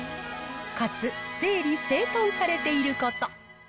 かつ整理整頓されていること。